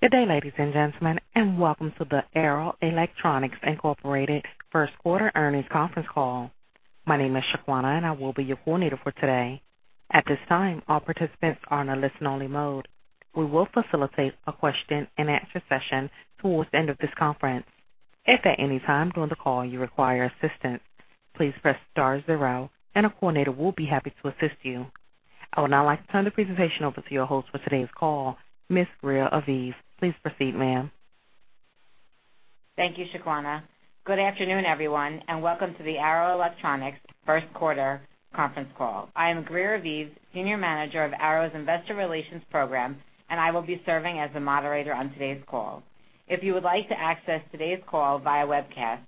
Good day, ladies and gentlemen, and welcome to the Arrow Electronics Incorporated First Quarter Earnings Conference Call. My name is Shaquana, and I will be your coordinator for today. At this time, all participants are on a listen-only mode. We will facilitate a question-and-answer session towards the end of this conference. If at any time during the call you require assistance, please press star zero, and a coordinator will be happy to assist you. I would now like to turn the presentation over to your host for today's call, Ms. Greer Aviv. Please proceed, ma'am. Thank you, Shaquana. Good afternoon, everyone, and welcome to the Arrow Electronics first quarter conference call. I am Greer Aviv, Senior Manager of Arrow's Investor Relations program, and I will be serving as the moderator on today's call. If you would like to access today's call via webcast,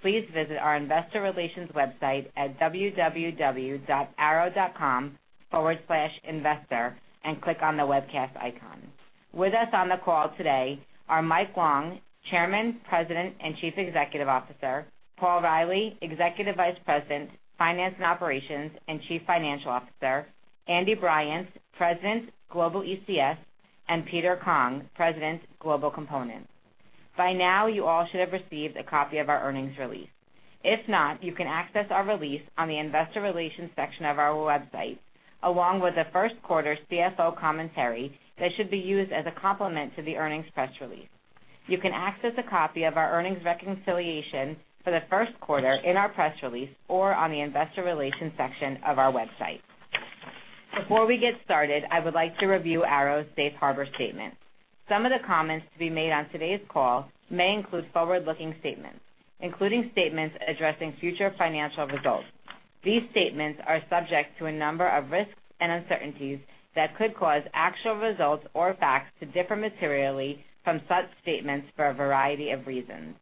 please visit our investor relations website at www.arrow.com/investor and click on the Webcast icon. With us on the call today are Mike Long, Chairman, President, and Chief Executive Officer; Paul Reilly, Executive Vice President, Finance and Operations, and Chief Financial Officer; Andy Bryant, President, Global ECS; and Peter Kong, President, Global Components. By now, you all should have received a copy of our earnings release. If not, you can access our release on the investor relations section of our website, along with the first quarter CFO commentary that should be used as a complement to the earnings press release. You can access a copy of our earnings reconciliation for the first quarter in our press release or on the investor relations section of our website. Before we get started, I would like to review Arrow's safe harbor statement. Some of the comments to be made on today's call may include forward-looking statements, including statements addressing future financial results. These statements are subject to a number of risks and uncertainties that could cause actual results or facts to differ materially from such statements for a variety of reasons.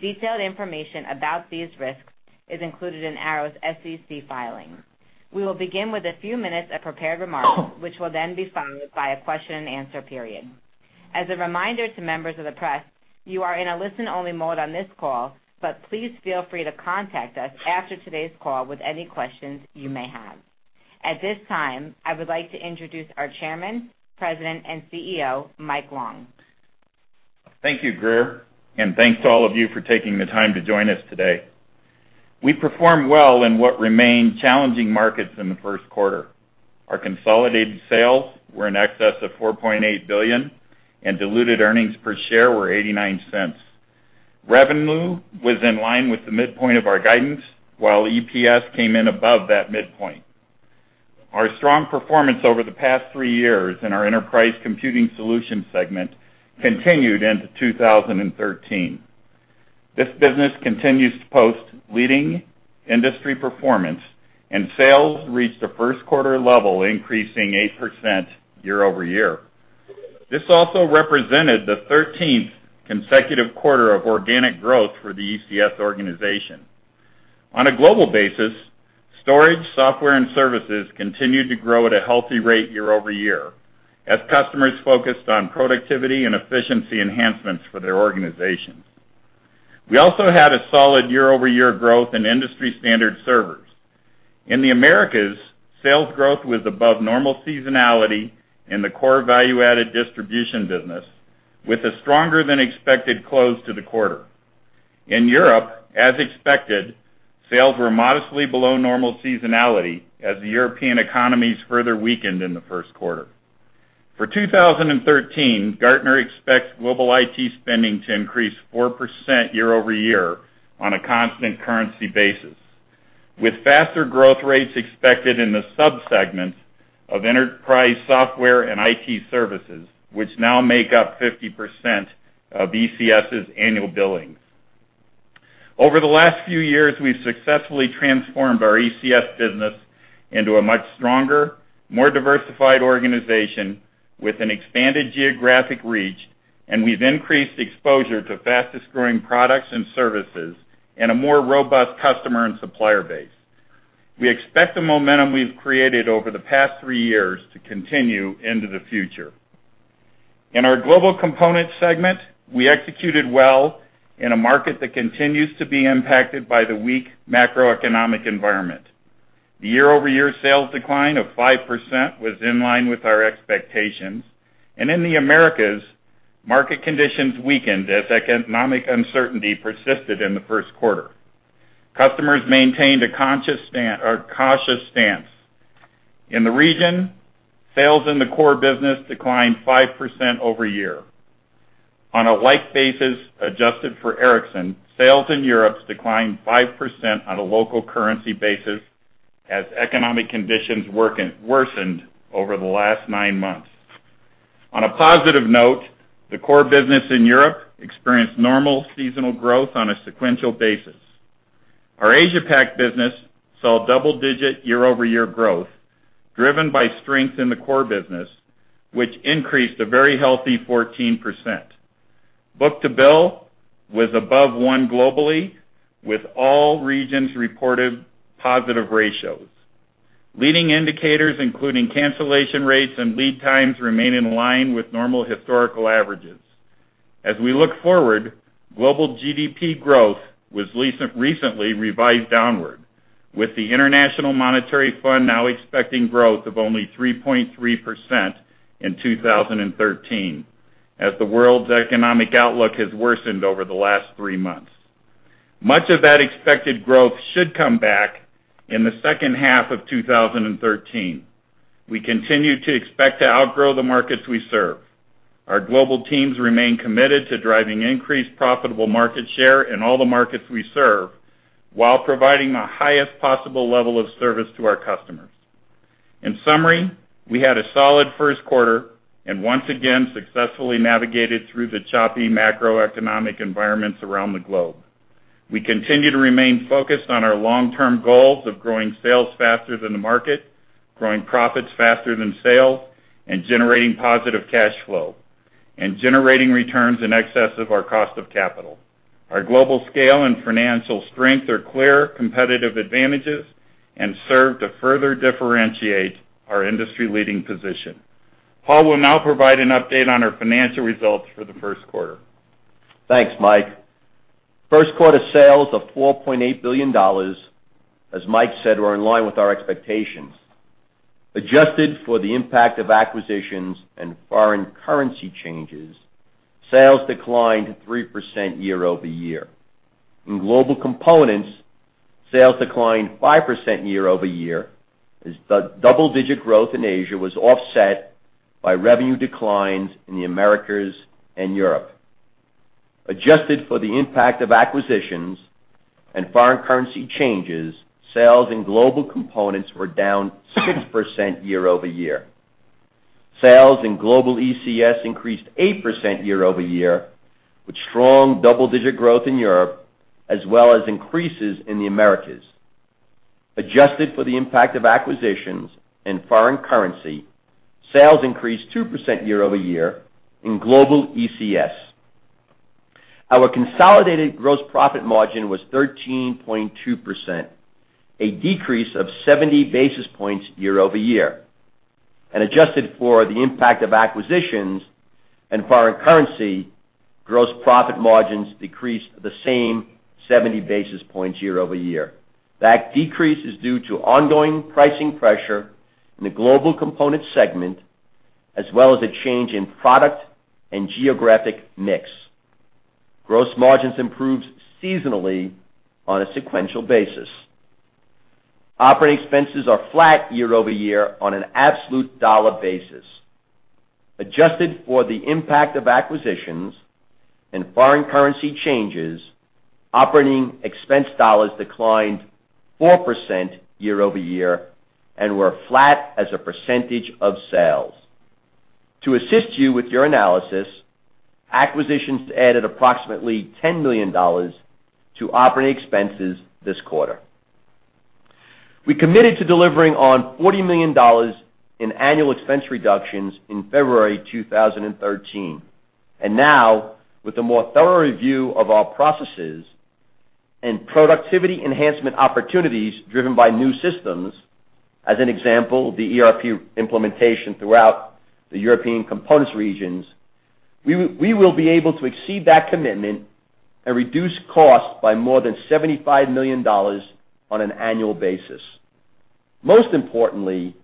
Detailed information about these risks is included in Arrow's SEC filing. We will begin with a few minutes of prepared remarks, which will then be followed by a question-and-answer period. As a reminder to members of the press, you are in a listen-only mode on this call, but please feel free to contact us after today's call with any questions you may have. At this time, I would like to introduce our Chairman, President, and CEO, Mike Long. Thank you, Greer, and thanks to all of you for taking the time to join us today. We performed well in what remained challenging markets in the first quarter. Our consolidated sales were in excess of $4.8 billion, and diluted earnings per share were $0.89. Revenue was in line with the midpoint of our guidance, while EPS came in above that midpoint. Our strong performance over the past three years in our Enterprise Computing Solutions segment continued into 2013. This business continues to post leading industry performance, and sales reached a first quarter level, increasing 8% year-over-year. This also represented the 13th consecutive quarter of organic growth for the ECS organization. On a global basis, storage, software, and services continued to grow at a healthy rate year-over-year as customers focused on productivity and efficiency enhancements for their organizations. We also had a solid year-over-year growth in industry-standard servers. In the Americas, sales growth was above normal seasonality in the core value-added distribution business, with a stronger than expected close to the quarter. In Europe, as expected, sales were modestly below normal seasonality as the European economies further weakened in the first quarter. For 2013, Gartner expects global IT spending to increase 4% year-over-year on a constant currency basis, with faster growth rates expected in the subsegments of enterprise software and IT services, which now make up 50% of ECS's annual billings. Over the last few years, we've successfully transformed our ECS business into a much stronger, more diversified organization with an expanded geographic reach, and we've increased exposure to fastest-growing products and services and a more robust customer and supplier base. We expect the momentum we've created over the past three years to continue into the future. In our Global Components segment, we executed well in a market that continues to be impacted by the weak macroeconomic environment. The year-over-year sales decline of 5% was in line with our expectations, and in the Americas, market conditions weakened as economic uncertainty persisted in the first quarter. Customers maintained a cautious stance. In the region, sales in the core business declined 5% year-over-year. On a like basis, adjusted for Ericsson, sales in Europe declined 5% on a local currency basis as economic conditions worsened over the last nine months. On a positive note, the core business in Europe experienced normal seasonal growth on a sequential basis. Our Asia Pac business saw double-digit year-over-year growth, driven by strength in the core business, which increased a very healthy 14%. Book-to-bill was above 1 globally, with all regions reported positive ratios. Leading indicators, including cancellation rates and lead times, remain in line with normal historical averages. As we look forward, global GDP growth was recently revised downward, with the International Monetary Fund now expecting growth of only 3.3% in 2013, as the world's economic outlook has worsened over the last 3 months. Much of that expected growth should come back in the second half of 2013. We continue to expect to outgrow the markets we serve. Our global teams remain committed to driving increased profitable market share in all the markets we serve, while providing the highest possible level of service to our customers. In summary, we had a solid first quarter, and once again, successfully navigated through the choppy macroeconomic environments around the globe. We continue to remain focused on our long-term goals of growing sales faster than the market, growing profits faster than sales, and generating positive cash flow, and generating returns in excess of our cost of capital. Our global scale and financial strength are clear competitive advantages and serve to further differentiate our industry-leading position. Paul will now provide an update on our financial results for the first quarter. Thanks, Mike. First quarter sales of $4.8 billion, as Mike said, were in line with our expectations. Adjusted for the impact of acquisitions and foreign currency changes, sales declined 3% year-over-year. In global components, sales declined 5% year-over-year, as the double-digit growth in Asia was offset by revenue declines in the Americas and Europe. Adjusted for the impact of acquisitions and foreign currency changes, sales in global components were down 6% year-over-year. Sales in global ECS increased 8% year-over-year, with strong double-digit growth in Europe, as well as increases in the Americas. Adjusted for the impact of acquisitions and foreign currency, sales increased 2% year-over-year in global ECS. Our consolidated gross profit margin was 13.2%, a decrease of 70 basis points year-over-year. Adjusted for the impact of acquisitions and foreign currency, gross profit margins decreased the same 70 basis points year-over-year. That decrease is due to ongoing pricing pressure in the global component segment, as well as a change in product and geographic mix. Gross margins improved seasonally on a sequential basis. Operating expenses are flat year-over-year on an absolute dollar basis. Adjusted for the impact of acquisitions and foreign currency changes, operating expense dollars declined 4% year-over-year and were flat as a percentage of sales. To assist you with your analysis, acquisitions added approximately $10 million to operating expenses this quarter. We committed to delivering on $40 million in annual expense reductions in February 2013, and now, with a more thorough review of our processes and productivity enhancement opportunities driven by new systems, as an example, the ERP implementation throughout the European components regions, we will be able to exceed that commitment and reduce costs by more than $75 million on an annual basis. Most importantly,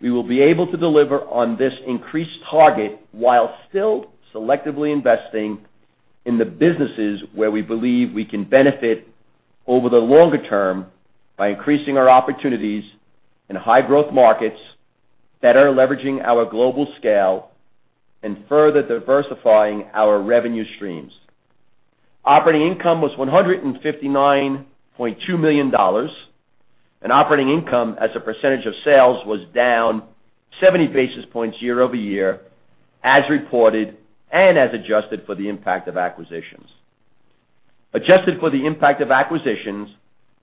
we will be able to deliver on this increased target while still selectively investing in the businesses where we believe we can benefit over the longer term by increasing our opportunities in high growth markets, better leveraging our global scale, and further diversifying our revenue streams. Operating income was $159.2 million, and operating income as a percentage of sales was down 70 basis points year-over-year, as reported and as adjusted for the impact of acquisitions. Adjusted for the impact of acquisitions,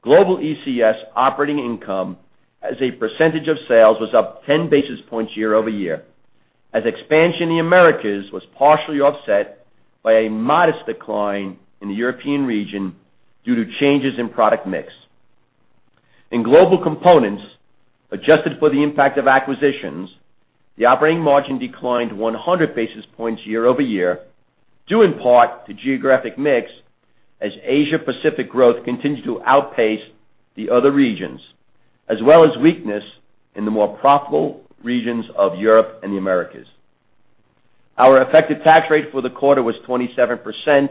global ECS operating income as a percentage of sales was up 10 basis points year-over-year, as expansion in the Americas was partially offset by a modest decline in the European region due to changes in product mix. In Global Components, adjusted for the impact of acquisitions, the operating margin declined 100 basis points year-over-year, due in part to geographic mix, as Asia Pacific growth continued to outpace the other regions, as well as weakness in the more profitable regions of Europe and the Americas. Our effective tax rate for the quarter was 27%,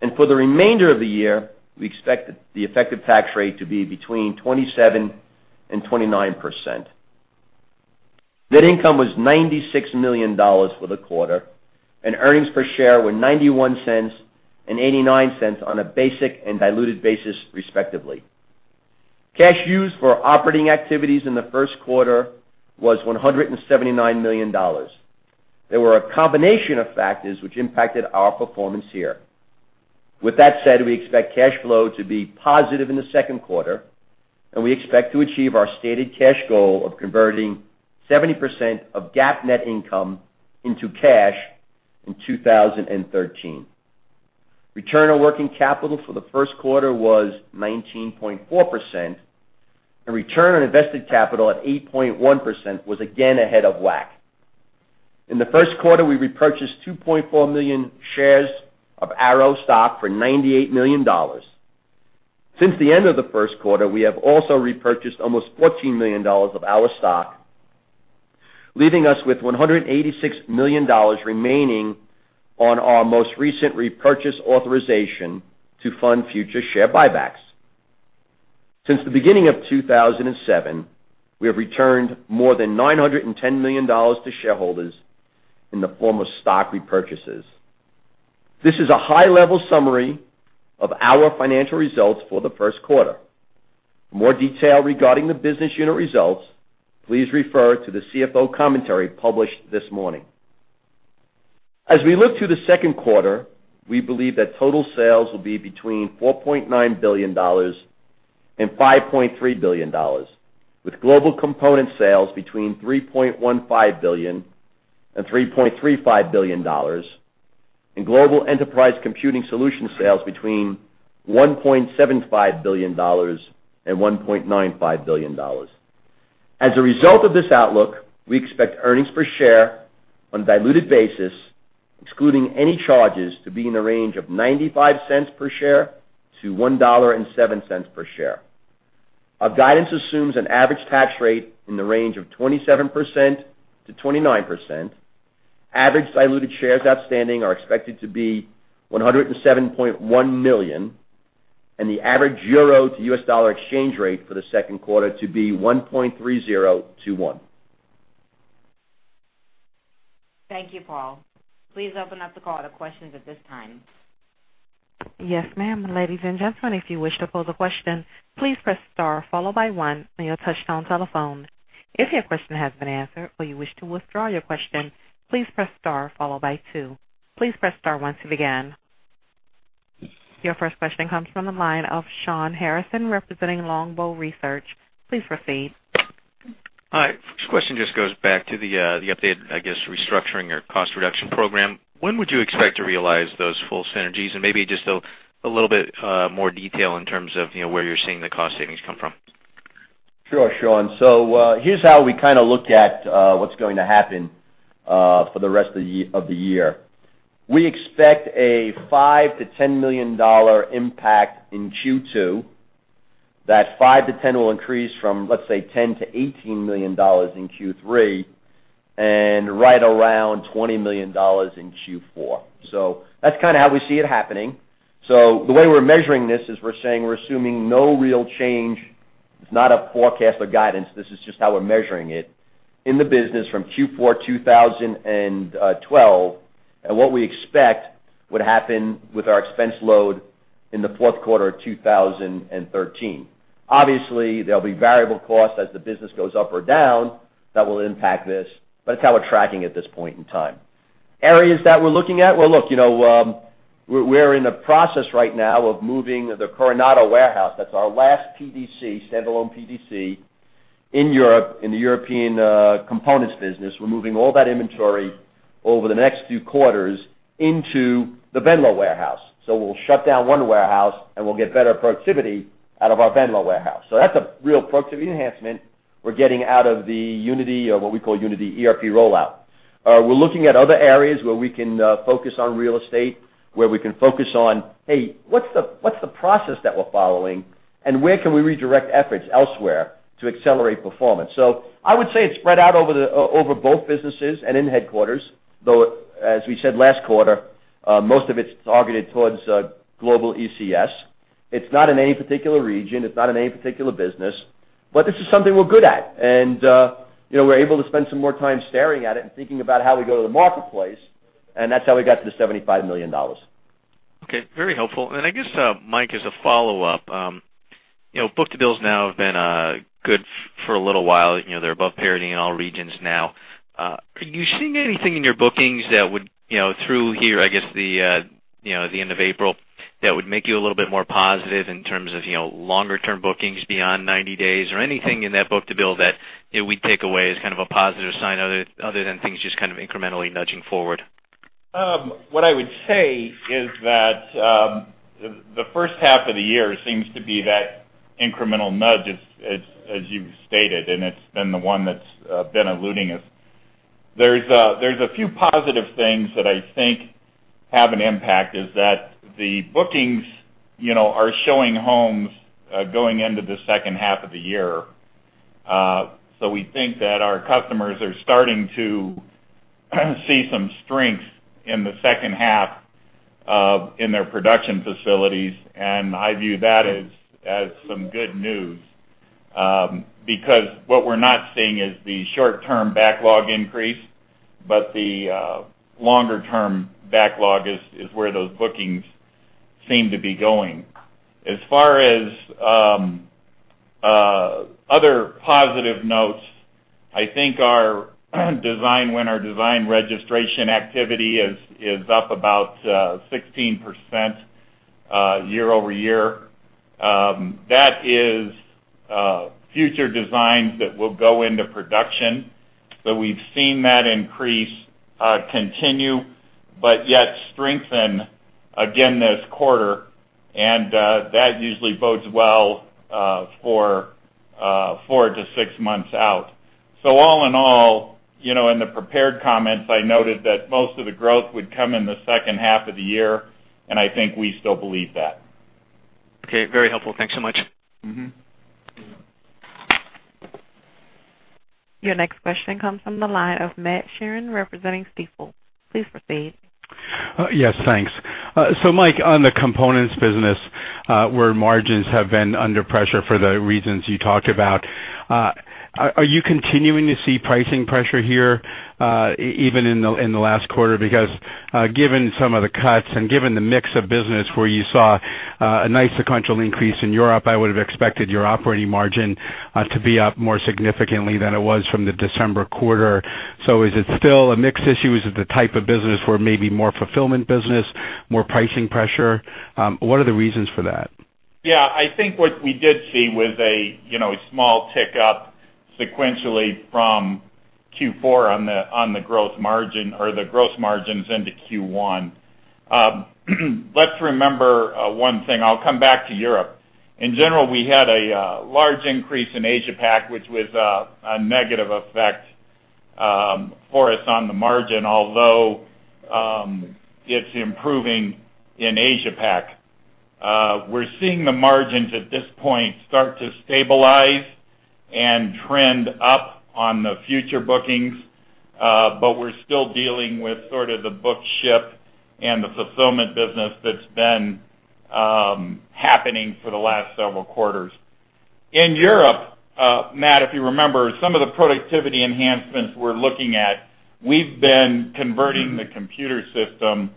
and for the remainder of the year, we expect the effective tax rate to be between 27% and 29%. Net income was $96 million for the quarter, and earnings per share were $0.91 and $0.89 on a basic and diluted basis, respectively. Cash used for operating activities in the first quarter was $179 million. There were a combination of factors which impacted our performance here. With that said, we expect cash flow to be positive in the second quarter, and we expect to achieve our stated cash goal of converting 70% of GAAP net income into cash in 2013. Return on working capital for the first quarter was 19.4%, and return on invested capital at 8.1% was again ahead of WACC. In the first quarter, we repurchased 2.4 million shares of Arrow stock for $98 million. Since the end of the first quarter, we have also repurchased almost $14 million of our stock, leaving us with $186 million remaining on our most recent repurchase authorization to fund future share buybacks. Since the beginning of 2007, we have returned more than $910 million to shareholders in the form of stock repurchases. This is a high-level summary of our financial results for the first quarter. For more detail regarding the business unit results, please refer to the CFO commentary published this morning. As we look to the second quarter, we believe that total sales will be between $4.9 billion and $5.3 billion, with global component sales between $3.15 billion and $3.35 billion, and global enterprise computing solution sales between $1.75 billion and $1.95 billion. As a result of this outlook, we expect earnings per share on a diluted basis, excluding any charges, to be in the range of $0.95 per share to $1.07 per share. Our guidance assumes an average tax rate in the range of 27%-29%. Average diluted shares outstanding are expected to be 107.1 million, and the average euro to U.S. dollar exchange rate for the second quarter to be 1.3021. Thank you, Paul. Please open up the call to questions at this time. Yes, ma'am. Ladies and gentlemen, if you wish to pose a question, please press star, followed by one on your touchtone telephone. If your question has been answered or you wish to withdraw your question, please press star, followed by two. Please press star once to begin. Your first question comes from the line of Shawn Harrison, representing Longbow Research. Please proceed. Hi. First question just goes back to the update, I guess, restructuring or cost reduction program. When would you expect to realize those full synergies? And maybe just a little bit more detail in terms of, you know, where you're seeing the cost savings come from. Sure, Sean. So, here's how we kind of look at what's going to happen for the rest of the year. We expect a $5 million-$10 million impact in Q2. That $5 million-$10 million will increase from, let's say, $10 million-$18 million in Q3, and right around $20 million in Q4. So that's kind of how we see it happening. So the way we're measuring this is we're saying we're assuming no real change. It's not a forecast or guidance. This is just how we're measuring it in the business from Q4 2012, and what we expect would happen with our expense load in the fourth quarter of 2013. Obviously, there'll be variable costs as the business goes up or down that will impact this, but it's how we're tracking at this point in time. Areas that we're looking at? Well, look, you know, we're in the process right now of moving the Cornaredo warehouse. That's our last PDC, standalone PDC, in Europe, in the European components business. We're moving all that inventory over the next few quarters into the Venlo warehouse. So we'll shut down one warehouse, and we'll get better productivity out of our Venlo warehouse. So that's a real productivity enhancement we're getting out of the Unity or what we call Unity ERP rollout. We're looking at other areas where we can focus on real estate, where we can focus on, hey, what's the, what's the process that we're following, and where can we redirect efforts elsewhere to accelerate performance? So I would say it's spread out over both businesses and in headquarters, though, as we said last quarter, most of it's targeted towards global ECS. It's not in any particular region, it's not in any particular business, but this is something we're good at, and, you know, we're able to spend some more time staring at it and thinking about how we go to the marketplace, and that's how we got to the $75 million. Okay, very helpful. And I guess, Mike, as a follow-up, you know, book-to-bills now have been good for a little while. You know, they're above parity in all regions now. Are you seeing anything in your bookings that would, you know, through here, I guess, the, you know, the end of April, that would make you a little bit more positive in terms of, you know, longer-term bookings beyond 90 days, or anything in that book-to-bill that, you know, we'd take away as kind of a positive sign other, other than things just kind of incrementally nudging forward? What I would say is that the first half of the year seems to be that incremental nudge, as you've stated, and it's been the one that's been eluding us. There's a few positive things that I think have an impact, is that the bookings, you know, are showing up going into the second half of the year. So we think that our customers are starting to see some strength in the second half in their production facilities, and I view that as some good news. Because what we're not seeing is the short-term backlog increase, but the longer-term backlog is where those bookings seem to be going. As far as other positive notes, I think our design win, our design registration activity is up about 16%, year-over-year. That is future designs that will go into production, but we've seen that increase continue, but yet strengthen again this quarter, and that usually bodes well for 4-6 months out. So all in all, you know, in the prepared comments, I noted that most of the growth would come in the second half of the year, and I think we still believe that. Okay. Very helpful. Thanks so much. Mm-hmm. Your next question comes from the line of Matt Sheerin, representing Stifel. Please proceed. Yes, thanks. So Mike, on the components business, where margins have been under pressure for the reasons you talked about, are you continuing to see pricing pressure here, even in the last quarter? Because, given some of the cuts and given the mix of business where you saw a nice sequential increase in Europe, I would have expected your operating margin to be up more significantly than it was from the December quarter. So is it still a mix issue? Is it the type of business where maybe more fulfillment business, more pricing pressure? What are the reasons for that? Yeah, I think what we did see was, you know, a small tick up sequentially from Q4 on the gross margins or the gross margins into Q1. Let's remember one thing. I'll come back to Europe. In general, we had a large increase in Asia Pac, which was a negative effect for us on the margin, although it's improving in Asia Pac. We're seeing the margins at this point start to stabilize and trend up on the future bookings, but we're still dealing with sort of the book-to-ship and the fulfillment business that's been happening for the last several quarters. In Europe, Matt, if you remember, some of the productivity enhancements we're looking at, we've been converting the computer system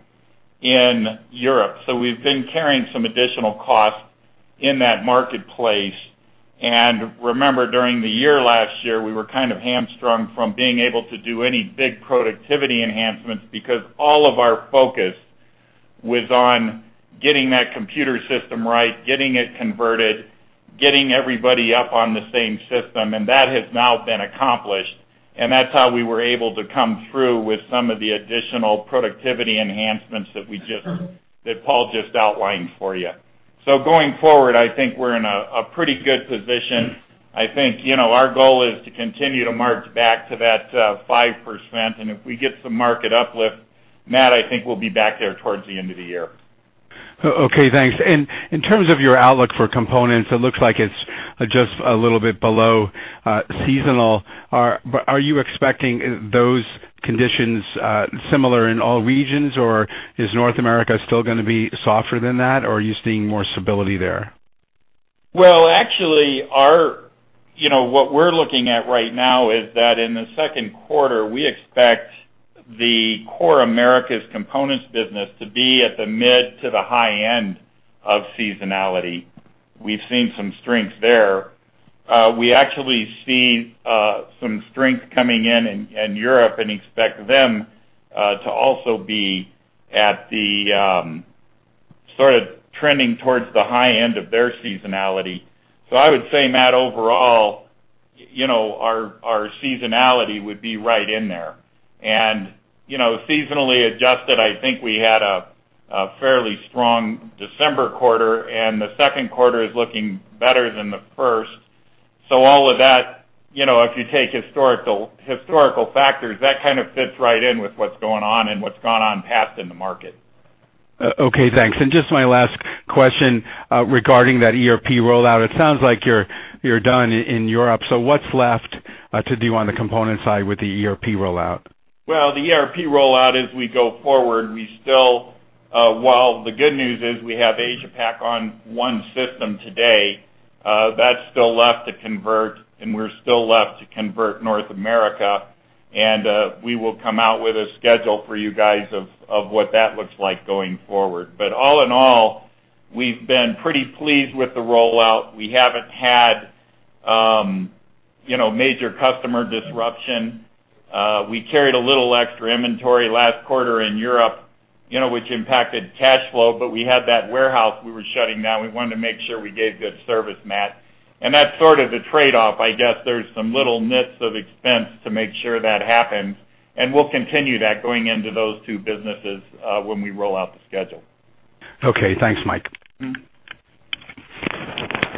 in Europe, so we've been carrying some additional costs in that marketplace. Remember, during the year last year, we were kind of hamstrung from being able to do any big productivity enhancements because all of our focus was on getting that computer system right, getting it converted, getting everybody up on the same system, and that has now been accomplished, and that's how we were able to come through with some of the additional productivity enhancements that Paul just outlined for you. Going forward, I think we're in a pretty good position. I think, you know, our goal is to continue to march back to that 5%, and if we get some market uplift, Matt, I think we'll be back there towards the end of the year. Okay, thanks. And in terms of your outlook for components, it looks like it's just a little bit below seasonal. But are you expecting those conditions similar in all regions, or is North America still gonna be softer than that, or are you seeing more stability there? Well, actually, our, you know, what we're looking at right now is that in the second quarter, we expect the core Americas components business to be at the mid to the high end of seasonality. We've seen some strength there. We actually see some strength coming in in Europe and expect them to also be at the sort of trending towards the high end of their seasonality. So I would say, Matt, overall, you know, our seasonality would be right in there. And, you know, seasonally adjusted, I think we had a fairly strong December quarter, and the second quarter is looking better than the first. So all of that, you know, if you take historical factors, that kind of fits right in with what's going on and what's gone on past in the market. Okay, thanks. And just my last question, regarding that ERP rollout. It sounds like you're done in Europe, so what's left to do on the component side with the ERP rollout? Well, the ERP rollout as we go forward, we still, while the good news is we have AsiaPac on one system today, that's still left to convert, and we're still left to convert North America, and, we will come out with a schedule for you guys of, of what that looks like going forward. But all in all, we've been pretty pleased with the rollout. We haven't had, you know, major customer disruption. We carried a little extra inventory last quarter in Europe, you know, which impacted cash flow, but we had that warehouse we were shutting down. We wanted to make sure we gave good service, Matt. And that's sort of the trade-off. I guess there's some little nits of expense to make sure that happens, and we'll continue that going into those two businesses, when we roll out the schedule. Okay, thanks, Mike.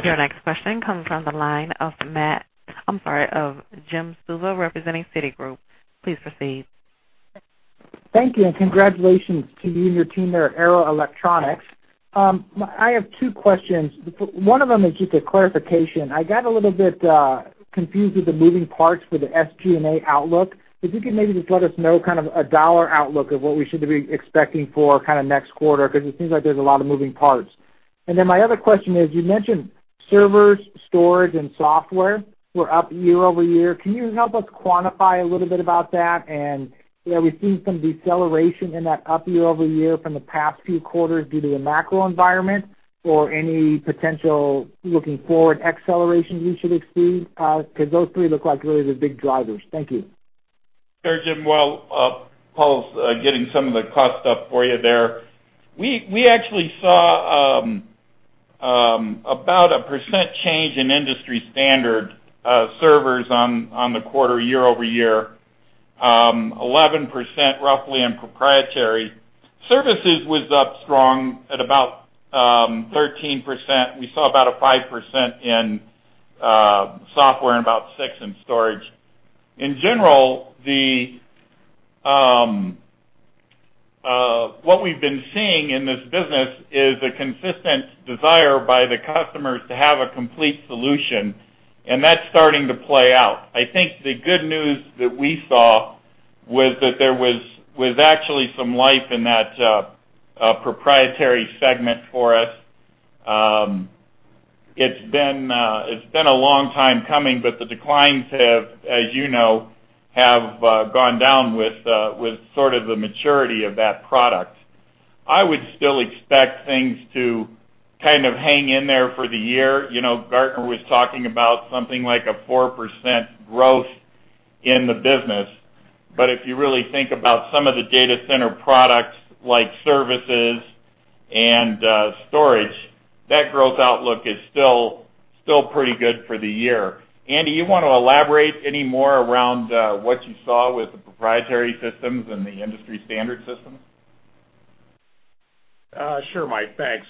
Your next question comes from the line of Matt—I'm sorry, of Jim Suva, representing Citigroup. Please proceed. Thank you, and congratulations to you and your team there at Arrow Electronics. I have two questions. One of them is just a clarification. I got a little bit confused with the moving parts for the SG&A outlook. If you could maybe just let us know kind of a dollar outlook of what we should be expecting for kind of next quarter, because it seems like there's a lot of moving parts. And then my other question is, you mentioned servers, storage, and software were up year-over-year. Can you help us quantify a little bit about that? And, you know, we've seen some deceleration in that up year-over-year from the past few quarters due to the macro environment or any potential looking forward acceleration we should expect, because those three look like really the big drivers. Thank you.... Sure, Jim. Well, Paul's getting some of the cost up for you there. We actually saw about 1% change in industry standard servers on the quarter year-over-year, 11% roughly in proprietary. Services was up strong at about 13%. We saw about a 5% in software and about 6% in storage. In general, what we've been seeing in this business is a consistent desire by the customers to have a complete solution, and that's starting to play out. I think the good news that we saw was that there was actually some life in that proprietary segment for us. It's been a long time coming, but the declines have, as you know, gone down with sort of the maturity of that product. I would still expect things to kind of hang in there for the year. You know, Gartner was talking about something like a 4% growth in the business. But if you really think about some of the data center products like services and storage, that growth outlook is still pretty good for the year. Andy, you want to elaborate any more around what you saw with the proprietary systems and the industry standard systems? Sure, Mike, thanks.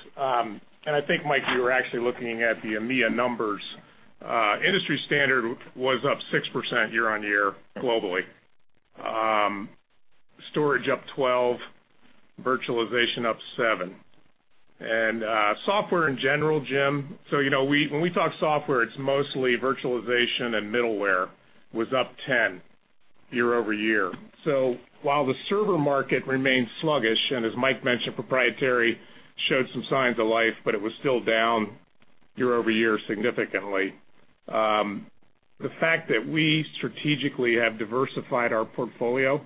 And I think, Mike, you were actually looking at the EMEIA numbers. Industry standard was up 6% year-over-year, globally. Storage up 12%, virtualization up 7%. And software in general, Jim, so you know, when we talk software, it's mostly virtualization and middleware, was up 10% year-over-year. So while the server market remains sluggish, and as Mike mentioned, proprietary showed some signs of life, but it was still down year-over-year significantly. The fact that we strategically have diversified our portfolio,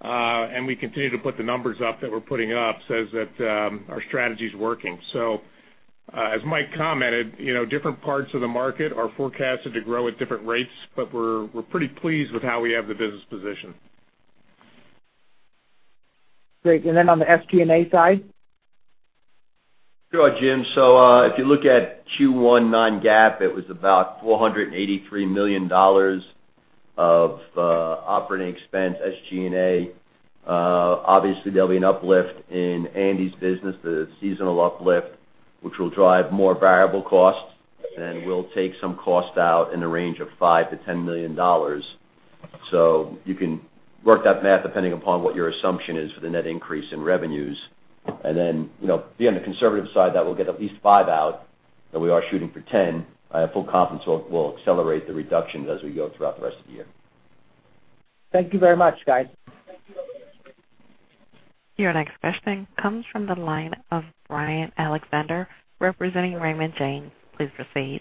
and we continue to put the numbers up that we're putting up, says that our strategy is working. So, as Mike commented, you know, different parts of the market are forecasted to grow at different rates, but we're, we're pretty pleased with how we have the business positioned. Great. And then on the SG&A side? Sure, Jim. So, if you look at Q1 non-GAAP, it was about $483 million of operating expense, SG&A. Obviously, there'll be an uplift in Andy's business, the seasonal uplift, which will drive more variable costs and we'll take some cost out in the range of $5 million-$10 million. So you can work that math depending upon what your assumption is for the net increase in revenues. And then, you know, be on the conservative side, that will get at least $5 million out, but we are shooting for $10 million. I have full confidence we'll accelerate the reductions as we go throughout the rest of the year. Thank you very much, guys. Your next question comes from the line of Brian Alexander, representing Raymond James. Please proceed.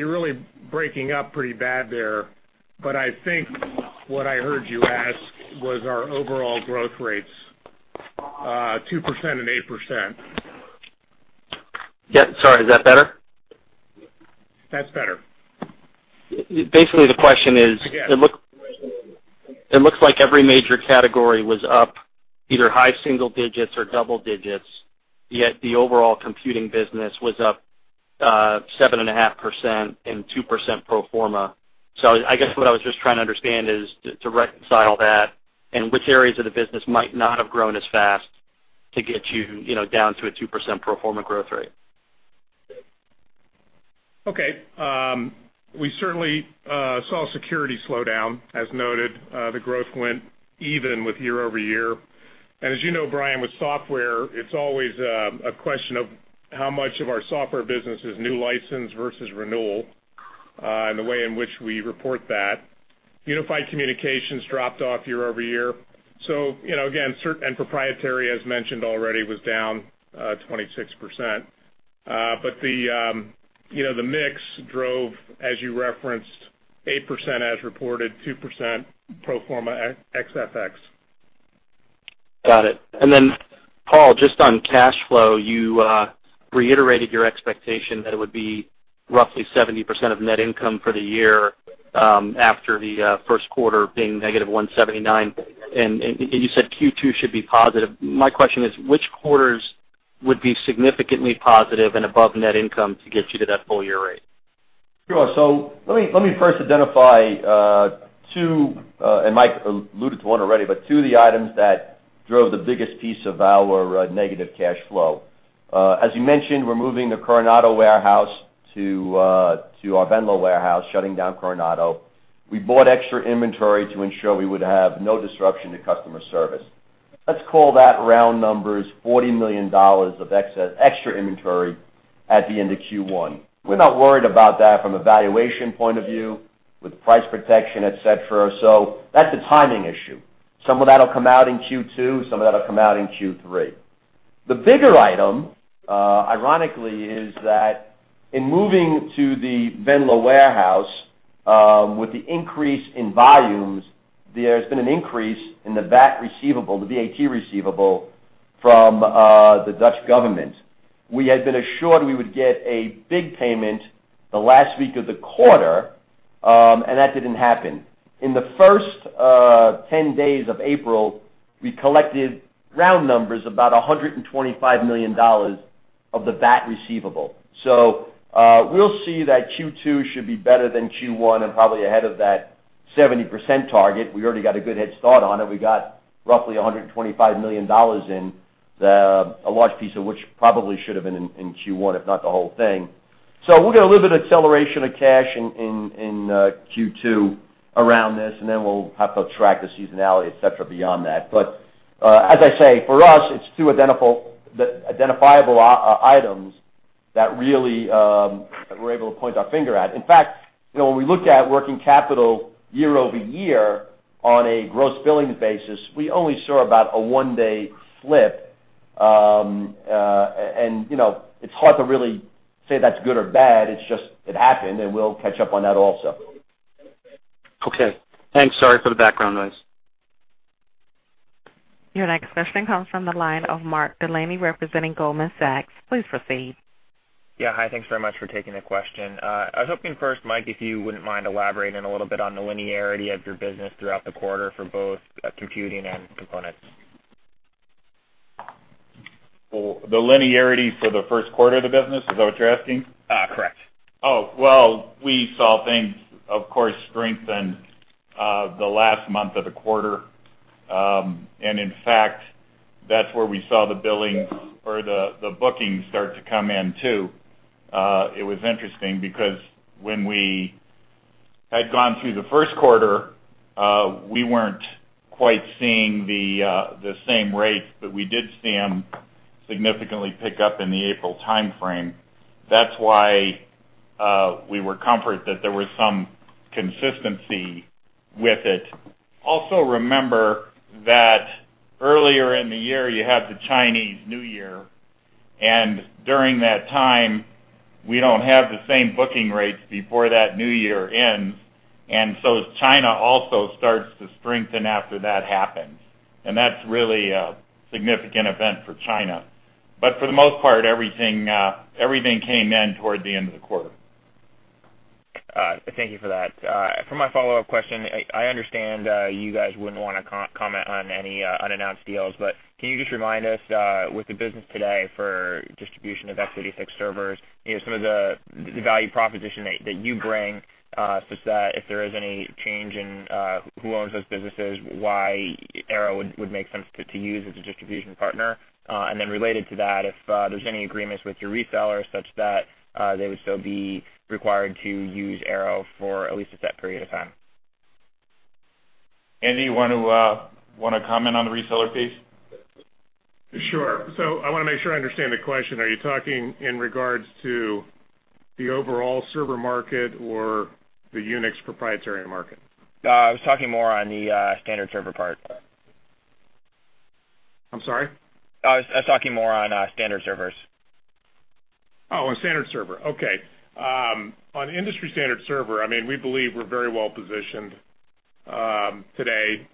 Thanks, Andy, can I just go back to the, growth rate? Like, if I look at the, complementary, like, storage up 12, software 10, industry standard servers, 7, everything else, double digits it look like. But your overall computing revenue was up 2% pro forma and 8% overall. So I don't, I don't know if those are pro forma growth rates or total growth rates, but I was just trying to reconcile the overall computing up 2%, despite everything. So, Brian, you're really, you're really breaking up pretty bad there, but I think what I heard you ask was our overall growth rates, 2% and 8%. Yeah, sorry. Is that better? That's better. Basically, the question is- Yeah It looks like every major category was up either high single digits or double digits, yet the overall computing business was up 7.5% and 2% pro forma. So I guess what I was just trying to understand is to reconcile that and which areas of the business might not have grown as fast to get you, you know, down to a 2% pro forma growth rate. Okay, we certainly saw security slow down. As noted, the growth went even with year-over-year. And as you know, Brian, with software, it's always a question of how much of our software business is new license versus renewal, and the way in which we report that. Unified Communications dropped off year-over-year. So, you know, again, certain and proprietary, as mentioned already, was down 26%. But the, you know, the mix drove, as you referenced, 8% as reported, 2% pro forma ex FX. Got it. And then, Paul, just on cash flow, you reiterated your expectation that it would be roughly 70% of net income for the year, after the first quarter being negative $179, and you said Q2 should be positive. My question is, which quarters would be significantly positive and above net income to get you to that full year rate? Sure. So let me, let me first identify two, and Mike alluded to one already, but two of the items that drove the biggest piece of our negative cash flow. As you mentioned, we're moving the Cornaredo warehouse to our Venlo warehouse, shutting down Cornaredo. We bought extra inventory to ensure we would have no disruption to customer service. Let's call that round numbers, $40 million of excess extra inventory at the end of Q1. We're not worried about that from a valuation point of view, with price protection, et cetera. So that's a timing issue. Some of that'll come out in Q2, some of that'll come out in Q3. The bigger item, ironically, is that in moving to the Venlo warehouse, with the increase in volumes, there's been an increase in the VAT receivable, the VAT receivable from the Dutch government. We had been assured we would get a big payment the last week of the quarter, and that didn't happen. In the first 10 days of April, we collected round numbers, about $125 million of the VAT receivable. So, we'll see that Q2 should be better than Q1, and probably ahead of that 70% target. We already got a good head start on it. We got roughly $125 million in, the, a large piece of which probably should have been in, in Q1, if not the whole thing. So we'll get a little bit of acceleration of cash in Q2 around this, and then we'll have to track the seasonality, et cetera, beyond that. But, as I say, for us, it's two identifiable items that really, we're able to point our finger at. In fact, you know, when we look at working capital year-over-year on a gross billings basis, we only saw about a one-day slip. And, you know, it's hard to really say that's good or bad. It's just, it happened, and we'll catch up on that also. Okay. Sorry for the background noise. Your next question comes from the line of Mark Delaney, representing Goldman Sachs. Please proceed. Yeah. Hi, thanks very much for taking the question. I was hoping first, Mike, if you wouldn't mind elaborating a little bit on the linearity of your business throughout the quarter for both computing and components. Well, the linearity for the first quarter of the business, is that what you're asking? Uh, correct. Oh, well, we saw things, of course, strengthen the last month of the quarter. And in fact, that's where we saw the billing or the bookings start to come in, too. It was interesting because when we had gone through the first quarter, we weren't quite seeing the same rates, but we did see them significantly pick up in the April time frame. That's why we were comfortable that there was some consistency with it. Also, remember that earlier in the year, you had the Chinese New Year, and during that time, we don't have the same booking rates before that New Year ends. And so China also starts to strengthen after that happens, and that's really a significant event for China. But for the most part, everything came in toward the end of the quarter. All right. Thank you for that. For my follow-up question, I understand you guys wouldn't want to comment on any unannounced deals, but can you just remind us with the business today for distribution of x86 servers, you know, some of the value proposition that you bring such that if there is any change in who owns those businesses, why Arrow would make sense to use as a distribution partner? And then related to that, if there's any agreements with your resellers such that they would still be required to use Arrow for at least a set period of time. Andy, you want to comment on the reseller piece? Sure. So I want to make sure I understand the question. Are you talking in regards to the overall server market or the Unix proprietary market? I was talking more on the standard server part. I'm sorry? I was talking more on standard servers. Oh, on standard server. Okay. On industry standard server, I mean, we believe we're very well positioned, today,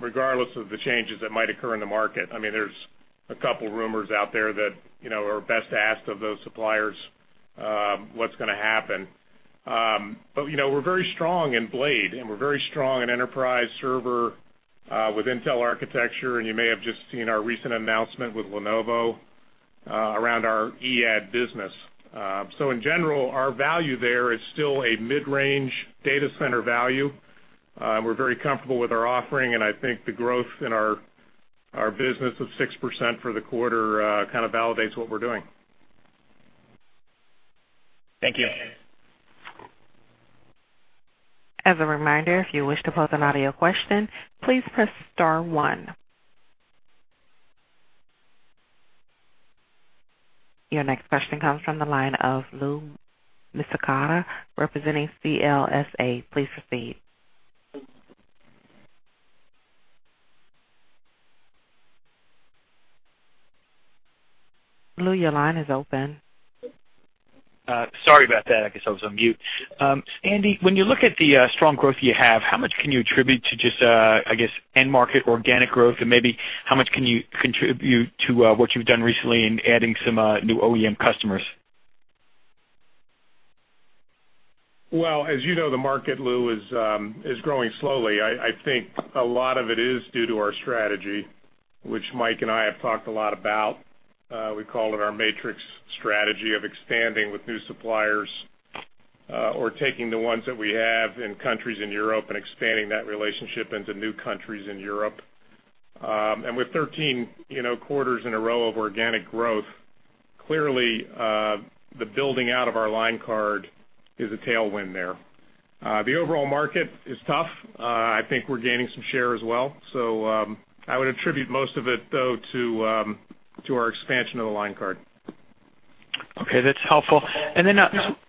regardless of the changes that might occur in the market. I mean, there's a couple of rumors out there that, you know, are best asked of those suppliers, what's gonna happen. But, you know, we're very strong in blade, and we're very strong in enterprise server, with Intel architecture, and you may have just seen our recent announcement with Lenovo, around our VAD business. So in general, our value there is still a mid-range data center value. We're very comfortable with our offering, and I think the growth in our, our business of 6% for the quarter, kind of validates what we're doing. Thank you. As a reminder, if you wish to pose an audio question, please press star one. Your next question comes from the line of Lou Miscioscia, representing CLSA. Please proceed. Lou, your line is open. Sorry about that. I guess I was on mute. Andy, when you look at the strong growth you have, how much can you attribute to just, I guess, end market organic growth, and maybe how much can you contribute to what you've done recently in adding some new OEM customers? Well, as you know, the market, Lou, is growing slowly. I think a lot of it is due to our strategy, which Mike and I have talked a lot about. We call it our matrix strategy of expanding with new suppliers, or taking the ones that we have in countries in Europe and expanding that relationship into new countries in Europe. And with 13, you know, quarters in a row of organic growth. Clearly, the building out of our line card is a tailwind there. The overall market is tough. I think we're gaining some share as well. So, I would attribute most of it, though, to our expansion of the line card. Okay, that's helpful. And then,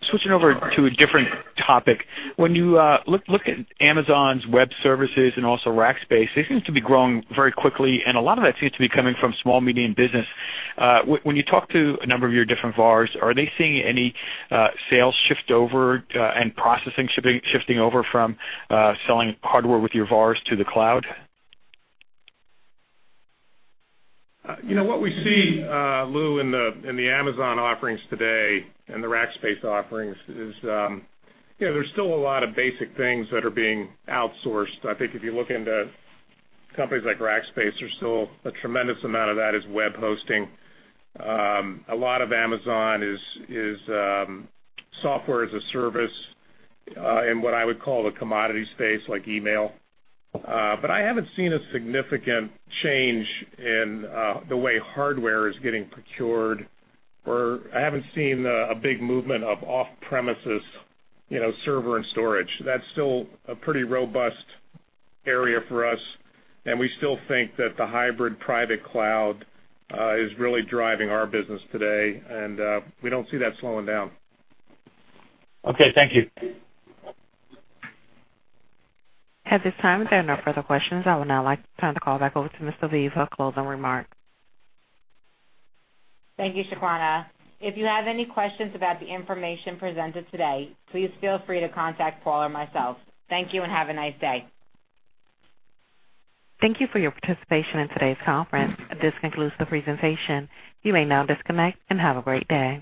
switching over to a different topic. When you look at Amazon's web services and also Rackspace, they seem to be growing very quickly, and a lot of that seems to be coming from small, medium business. When you talk to a number of your different VARs, are they seeing any sales shift over, and processing shifting over from selling hardware with your VARs to the cloud? You know, what we see, Lou, in the Amazon offerings today and the Rackspace offerings is, you know, there's still a lot of basic things that are being outsourced. I think if you look into companies like Rackspace, there's still a tremendous amount of that is web hosting. A lot of Amazon is, software as a service, in what I would call the commodity space, like email. But I haven't seen a significant change in, the way hardware is getting procured, or I haven't seen a big movement of off-premises, you know, server and storage. That's still a pretty robust area for us, and we still think that the hybrid private cloud, is really driving our business today, and we don't see that slowing down. Okay, thank you. At this time, there are no further questions. I would now like to turn the call back over to Ms. Aviv for closing remarks. Thank you, Shaquana. If you have any questions about the information presented today, please feel free to contact Paul or myself. Thank you, and have a nice day. Thank you for your participation in today's conference. This concludes the presentation. You may now disconnect and have a great day.